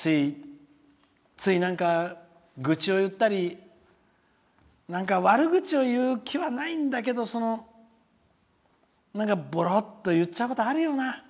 つい、なんか愚痴を言ったりなんか悪口を言う気はないんだけどぼろっと言っちゃうことあるよな。